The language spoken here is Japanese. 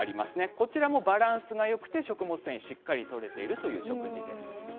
こちらもバランスがよくて食物繊維しっかりとれているという食事です。